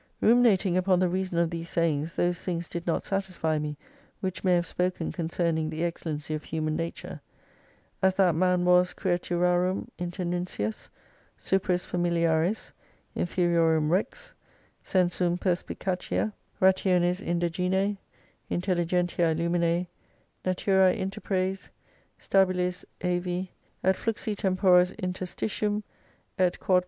Ruminating upon the reason of these sayings, those things did not satisfy me, which many have spoken concerning the excellency of Human Nature. As that man was Creaturarum Internuncius ; Snperis familiaris, Inferiorum Rex ; senstium peispicada, Rationis Indagine^ InteUige7iH(Z Lumine, Naturae Interpres, Stnbilts ^vi et fluxi Temporis Interstitium, et {qd.